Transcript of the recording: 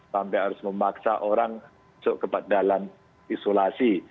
sampai harus memaksa orang masuk ke dalam isolasi